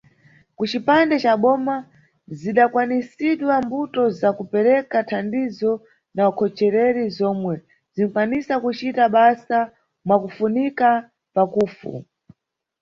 Kucipande ca boma, zidakhazikisidwa mbuto za kupereka thandizo na ukhochereri, zomwe zinʼkwanisa kucita basa mwakufunika pakufu.